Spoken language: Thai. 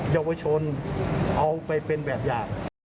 เยาวชนเอาไปเป็นแบบอย่าง